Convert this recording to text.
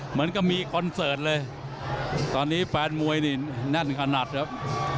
เหมือนกับมีคอนเสิร์ตเลยตอนนี้แฟนมวยนี่แน่นขนาดครับ